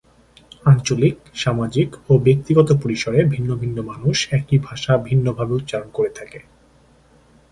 আঞ্চলিক, সামাজিক ও ব্যক্তিগত পরিসরে ভিন্ন ভিন্ন মানুষ একই ভাষা ভিন্নভাবে উচ্চারণ করে থাকে।